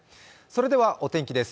それではお天気です。